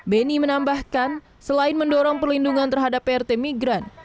beni menambahkan selain mendorong perlindungan terhadap prt migran